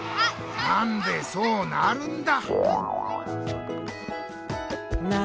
なんでそうなるんだ。